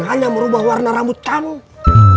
saya jadi bingung pak ustadz